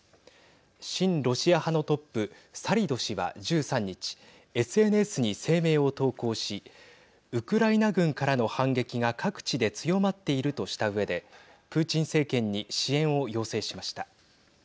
親ロシア派のトップサリド氏は１３日ＳＮＳに声明を投稿しウクライナ軍からの反撃が各地で強まっているとしたうえでプーチン政権に支援を要請しました。